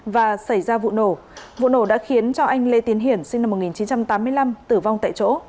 và xảy ra vụ nổ vụ nổ đã khiến cho anh lê tiến hiển sinh năm một nghìn chín trăm tám mươi năm tử vong tại chỗ